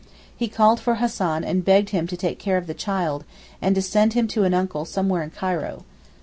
He called for Hassan and begged him to take care of the child, and to send him to an uncle somewhere in Cairo.